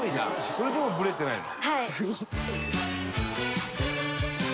それでもブレてないの？